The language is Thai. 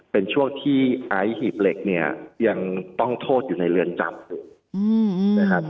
เป็นช่วงที่อายหิบเหล็กยังต้องโทษอยู่ในเรือนจำ